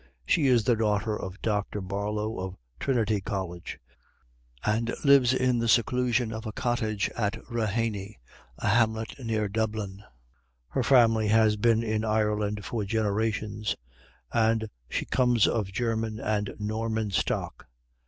She is the daughter of Dr. Barlow of Trinity College, and lives in the seclusion of a collage at Raheny, a hamlet near Dublin. Her family has been in Ireland for generations, and she comes of German and Norman stock.